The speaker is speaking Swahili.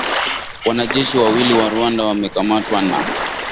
wanajeshi wawili wa Rwanda wamekamatwa na